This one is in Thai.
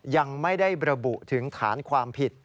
ยังไม่ได้ระบุถึงฐานความผิด